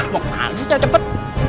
mau ngasih cepet cepet